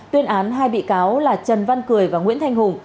tuyên án hai bị cáo là trần văn cười và nguyễn thanh hùng